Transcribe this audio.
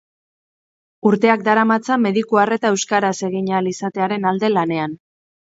Urteak daramatza mediku arreta euskaraz egin ahal izatearen alde lanean.